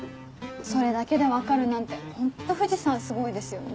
それだけで分かるなんてホント藤さんすごいですよね。